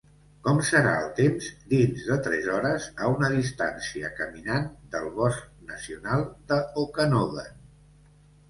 Com serà el temps dins de tres hores a una distància caminant del Bosc Nacional de Okanogan?